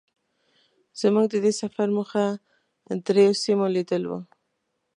زمونږ د دې سفر موخه درېيو سیمو لیدل وو.